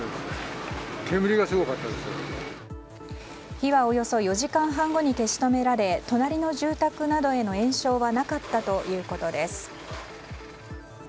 火は、およそ４時間半後に消し止められ隣の住宅などへの延焼はなかったということです。